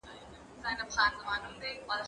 زه اوس سفر کوم؟!